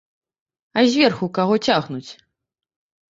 А зверху каго цягнуць?